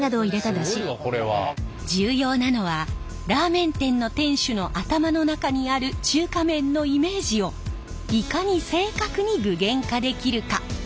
重要なのはラーメン店の店主の頭の中にある中華麺のイメージをいかに正確に具現化できるか。